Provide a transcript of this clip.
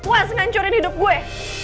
puas ngancurin hidup gue